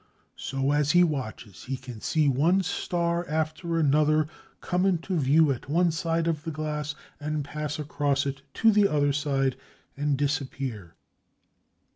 So as he watches, he can see one star after another come into view at one side of the glass and pass across it to the other side and disappear.